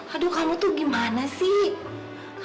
aduh kamu tuh gimana sih